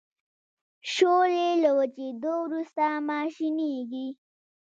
شولې له وچیدو وروسته ماشینیږي.